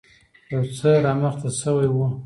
يو څه رامخته شوی و.